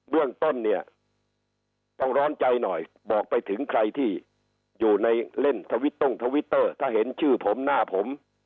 เรื่องต้นเนี่ยต้องร้อนใจหน่อยบอกไปถึงใครที่อยู่ในเล่นทวิตตรงทวิตเตอร์ถ้าเห็นชื่อผมหน้าผม